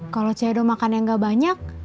kalau cedo makan yang nggak banyak